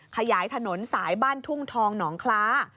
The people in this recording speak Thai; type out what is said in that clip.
ขยายถนนสายบ้านทุ่งทองหนองคล้า